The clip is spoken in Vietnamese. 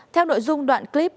theo nội dung đoạn clip